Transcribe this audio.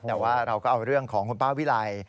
แต่ว่าเราก็เอาเรื่องของคุณป้าวิไล